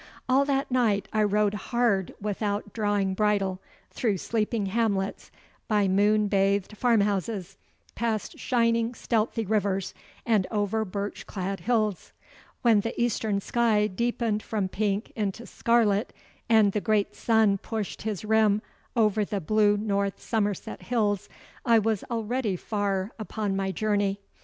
All that night I rode hard without drawing bridle, through sleeping hamlets, by moon bathed farmhouses, past shining stealthy rivers, and over birch clad hills. When the eastern sky deepened from pink into scarlet, and the great sun pushed his rim over the blue north Somerset hills, I was already far upon my journey.